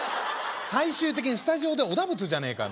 最終的にスタジオでおだぶつじゃねえかよ